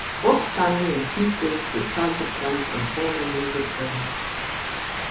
Bob Stanley and Pete Wiggs were childhood friends and former music journalists.